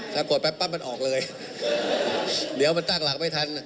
ถ้ากดแป๊บปั๊บมันออกเลยเดี๋ยวมันตั้งหลักไม่ทัน